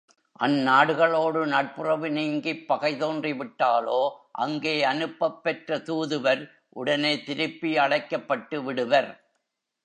அந் நாடுகளோடு நட்புறவு நீங்கிப் பகைதோன்றி விட்டாலோ அங்கே அனுப்பப்பெற்ற தூதுவர் உடனே திருப்பி அழைக்கப்பட்டுவிடுவர்.